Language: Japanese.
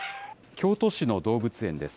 京都市の動物園です。